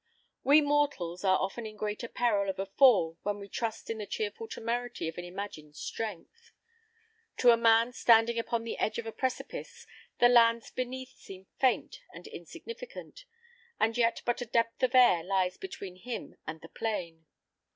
We mortals are often in greater peril of a fall when we trust in the cheerful temerity of an imagined strength. To a man standing upon the edge of a precipice the lands beneath seem faint and insignificant, and yet but a depth of air lies between him and the plain.